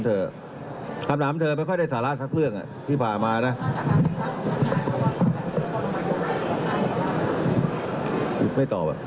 เพราะคุณนี่ผิดชนสิบพันคน